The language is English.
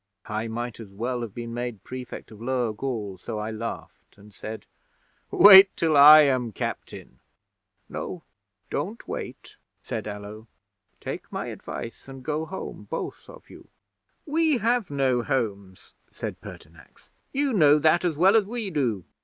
'I might as well have been made Prefect of Lower Gaul, so I laughed and said, "Wait till I am Captain." '"No, don't wait," said Allo. "Take my advice and go home both of you." '"We have no homes," said Pertinax. "You know that as well as we do.